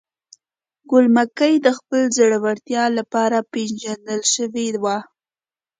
ګل مکۍ د خپل زړورتیا لپاره پیژندل شوې وه.